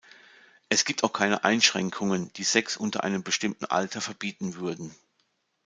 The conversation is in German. Es gibt auch keine Einschränkungen, die Sex unter einem bestimmten Alter verbieten würden.